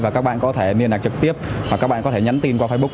và các bạn có thể liên lạc trực tiếp hoặc các bạn có thể nhắn tin qua facebook